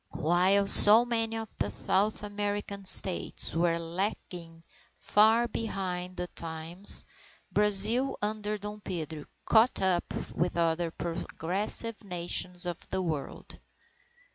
While so many of the South American States were lagging far behind the times, Brazil, under Dom Pedro, caught up with other progressive Nations of the World.